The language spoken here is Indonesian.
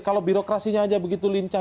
kalau birokrasinya aja begitu lincah